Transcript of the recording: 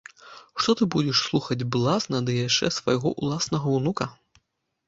Што ты будзеш слухаць блазна ды яшчэ свайго ўласнага ўнука!